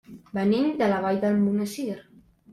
Venim de la Vall d'Almonesir.